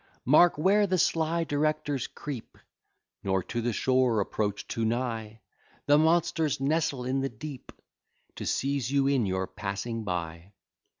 Mark where the sly directors creep, Nor to the shore approach too nigh! The monsters nestle in the deep, To seize you in your passing by.